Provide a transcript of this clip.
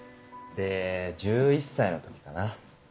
で１１歳の時かな。